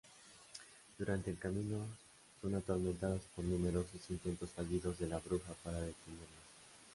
Durante el camino, son atormentados por numerosos intentos fallidos de la bruja para detenerlos.